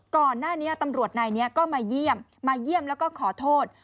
ก่อนหน้านี้ตำรวจนายนี้ก็มาเยี่ยมมาเยี่ยมแล้วก็ขอโทษ